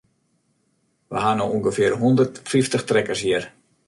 We ha no ûngefear hondert fyftich trekkers hjir.